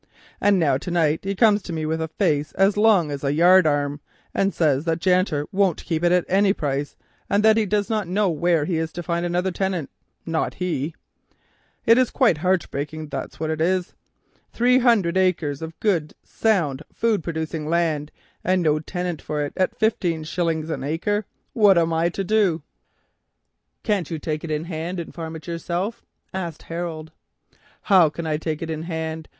And now to night he comes to me with a face as long as a yard arm, and says that Janter won't keep it at any price, and that he does not know where he is to find another tenant, not he. It's quite heartbreaking, that's what it is. Three hundred acres of good, sound, food producing land, and no tenant for it at fifteen shillings an acre. What am I to do?" "Can't you take it in hand and farm it yourself?" asked Harold. "How can I take it in hand?